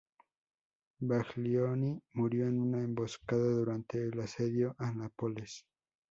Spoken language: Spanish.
Baglioni murió en una emboscada durante el asedio a Nápoles.